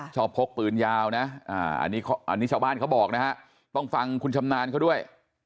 พกปืนยาวนะอันนี้ชาวบ้านเขาบอกนะฮะต้องฟังคุณชำนาญเขาด้วย